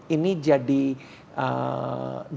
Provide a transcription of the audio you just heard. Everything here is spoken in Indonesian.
ini jadi operasi